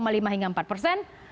suatu janji yang sangat penting